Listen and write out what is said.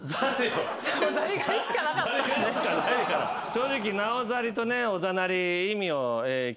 正直。